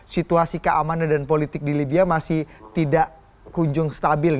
situasi keamanan dan politik di libya masih tidak kunjung stabil